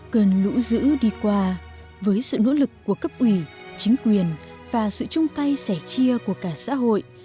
cơn lũ dữ đi qua với sự nỗ lực của cấp ủy chính quyền và sự chung tay sẻ chia của cả xã hội